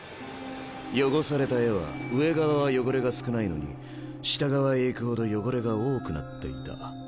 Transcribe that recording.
汚された絵は上側は汚れが少ないのに下側へ行くほど汚れが多くなっていた。